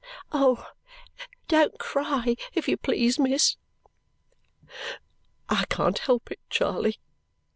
Don't cry, if you please, miss!" "I can't help it, Charley."